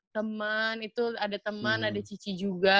teman itu ada teman ada cici juga